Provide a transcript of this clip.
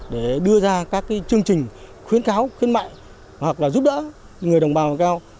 để đưa ra các chương trình khuyến kháo khuyến mại hoặc giúp đỡ người đồng bào cao